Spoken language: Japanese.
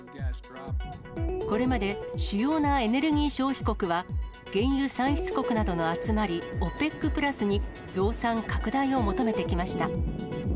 これまで主要なエネルギー消費国は、原油産出国などの集まり、ＯＰＥＣプラスに増産拡大を求めてきました。